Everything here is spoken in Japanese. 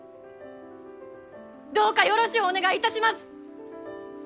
どうかよろしゅうお願いいたします！